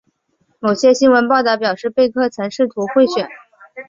某些新闻报道表示贝克曾试图贿选。